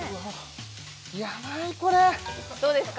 ヤバイこれどうですか？